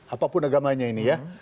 apapun agamanya ini ya